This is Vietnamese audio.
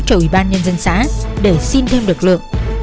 cho ủy ban nhân dân xã để xin thêm lực lượng